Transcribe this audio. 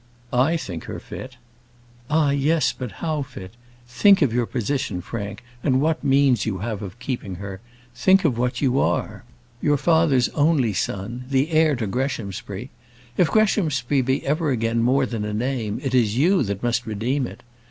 "I think her fit." "Ah, yes; but how fit? Think of your position, Frank, and what means you have of keeping her. Think what you are. Your father's only son; the heir to Greshamsbury. If Greshamsbury be ever again more than a name, it is you that must redeem it.